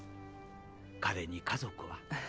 ああ彼に家族は？